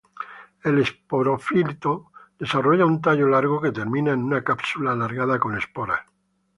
El esporófito desarrolla un tallo largo que termina en una cápsula alargada con esporas.